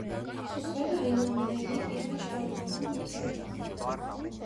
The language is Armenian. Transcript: Սուզվելը, այնուամենայնիվ իր մեջ պարունակում է մեծ վտանգ։